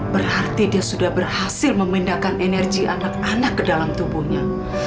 berarti dia sudah berhasil memindahkan energi anak anak ke dalam tubuhnya